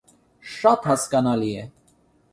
- Շա՜տ հասկանալի է…